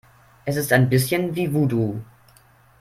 Es ist ein bisschen wie Voodoo.